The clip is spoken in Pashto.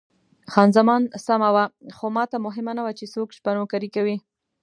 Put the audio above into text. خان زمان سمه وه، خو ماته مهمه نه وه چې څوک شپه نوکري کوي.